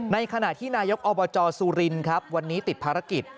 ในขณะที่นายกอบจสุรินครับวันนี้ติดภารกิจ